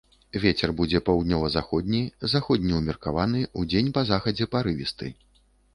Вецер будзе паўднёва-заходні, заходні ўмеркаваны, удзень па захадзе парывісты.